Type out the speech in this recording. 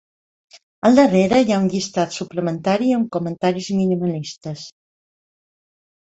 Al darrera hi ha un llistat suplementari amb comentaris minimalistes.